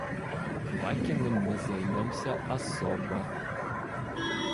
Квакиным мы займемся особо.